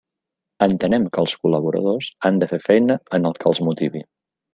Entenem que els col·laboradors han de fer feina en el que els motivi.